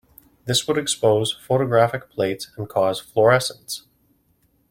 This would expose photographic plates and cause fluorescence.